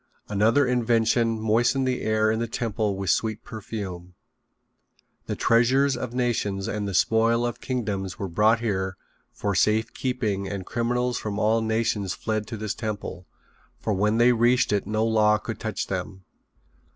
Another invention moistened the air in the temple with sweet perfume. The treasures of nations and the spoil of kingdoms were brought here for safe keeping and criminals from all nations fled to this temple, for when they reached it no law could touch them.